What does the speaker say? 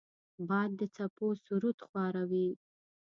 باد د څپو سرود خواره وي